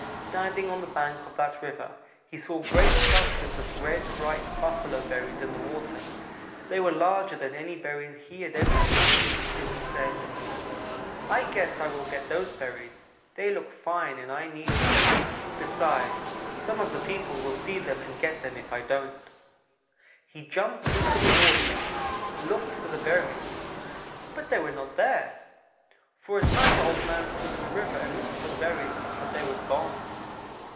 Standing on the bank of that river, he saw great clusters of red, ripe buffalo berries in the water. They were larger than any berries he had ever seen, and he said: "'I guess I will get those berries. They look fine, and I need them. Besides, some of the people will see them and get them, if I don't.' "He jumped into the water; looked for the berries; but they were not there. For a time Old man stood in the river and looked for the berries, but they were gone.